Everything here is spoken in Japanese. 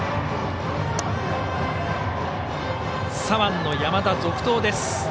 左腕の山田、続投です。